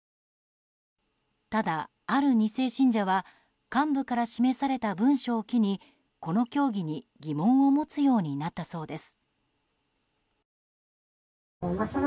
ただ、ある２世信者は幹部から示された文書を機にこの教義に疑問を持つようになったそうです。